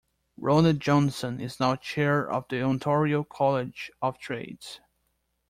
Ronald Johnson is now chair of the Ontario College of Trades.